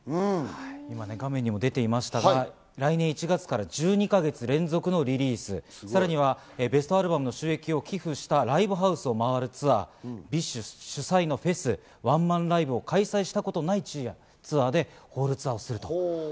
今、画面にも出ていましたが、来年１月から１２か月連続のリリース、さらにはベストアルバムの収益を寄付したライブハウスを回るツアー、ＢｉＳＨ主催のフェス、ワンマンライブを開催したことない地のツアーでホールツアーをすると。